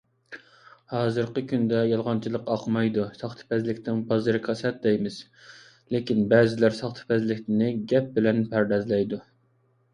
ھازىرقى كۈندە يالغانچىلىق ئاقمايدۇ، ساختىپەزلىكنىڭ بازىرى كاسات دەيمىز، لېكىن بەزىلەر ساختىپەزلىكنى گەپ بىلەن پەردازلايدۇ.